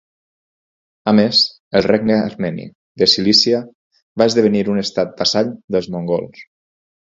A més, el regne armeni de Cilícia va esdevenir un estat vassall dels mongols.